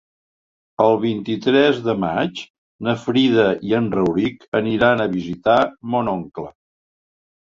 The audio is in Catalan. El vint-i-tres de maig na Frida i en Rauric aniran a visitar mon oncle.